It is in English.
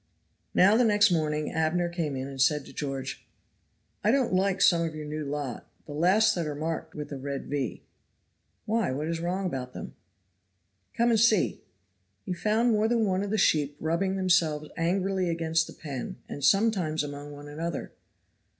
Now the next morning Abner came in and said to George, "I don't like some of your new lot the last that are marked with a red V." "Why, what is wrong about them?" "Come and see." He found more than one of the new sheep rubbing themselves angrily against the pen, and sometimes among one another.